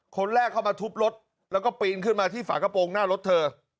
คนแรกเข้ามาทุบรถแล้วก็ปีนขึ้นมาที่ฝากระโปรงหน้ารถเธอ